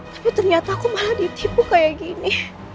tapi ternyata aku malah ditipu kayak gini